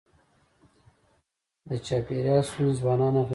د چاپېریال ستونزې ځوانان اغېزمنوي.